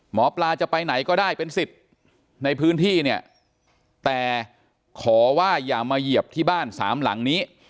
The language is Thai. หมอปลาจะไปไหนก็ได้เป็นสิทธิ์ในพื้นที่เนี่ยแต่ขอว่าอย่ามาเหยียบที่บ้านสามหลังนี้